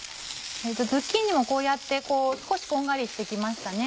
ズッキーニもこうやって少しこんがりして来ましたね。